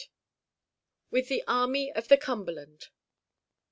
WITH THE ARMY OF THE CUMBERLAND.